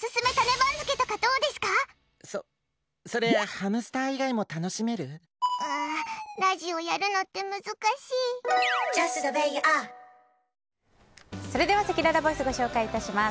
それ、ハムスター以外もうーん、ラジオやるのってそれではせきららボイスご紹介いたします。